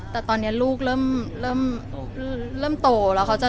แต่ตอนนี้ลูกเริ่มโตแล้วเขาจะ